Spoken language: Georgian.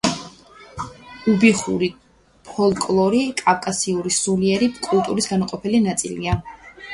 უბიხური ფოლკლორი კავკასიური სულიერი კულტურის განუყოფელი ნაწილია.